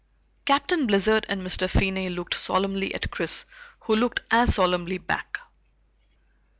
Captain Blizzard and Mr. Finney looked solemnly at Chris who looked as solemnly back.